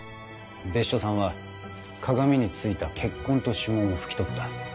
別所さんは鏡についた血痕と指紋を拭き取った。